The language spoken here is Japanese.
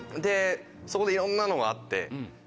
そこでいろんなのがあって。